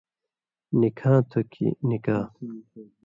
نِکہاں تھو کھیں نِکا،